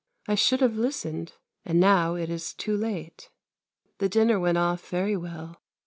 I should have listened, and now it is too late. The dinner went off very well.